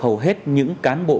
hầu hết những cán bộ